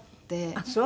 あっそう。